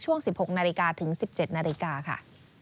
ช่วง๑๖นาฬิกาถึง๑๗นาฬิกาค่ะ